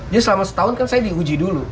jadi selama setahun kan saya diuji dulu